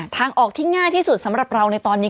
ทางออกที่ง่ายที่สุดสำหรับเราในตอนนี้